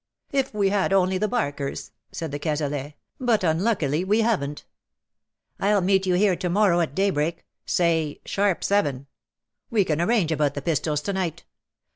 " If we had only the barkers/^ said de Cazalet, " but unluckily we haven^t." " V\\ meet you here to morrow at daybreak — say, sharp seven. We can arrange about the pistols to night.